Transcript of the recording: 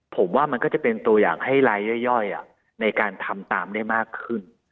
ผมว่ามันก็จะเป็นตัวอย่างให้ลายย่อยในการทำตามได้มากขึ้น